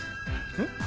えっ？